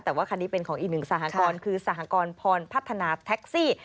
แต่ว่าคันนี้เป็นของอีกหนึ่งสหกรณ์คือสหกรณ์พรพัฒนาแท็กซี่